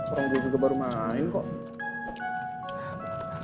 orang tua juga baru main kok